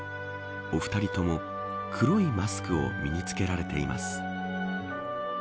お二人とも、黒いマスクを身に着けられています。